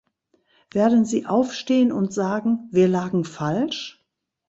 Werden sie aufstehen und sagen "Wir lagen falsch"?